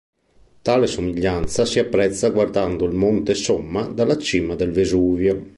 Tale somiglianza si apprezza guardando il Monte Somma dalla cima del Vesuvio.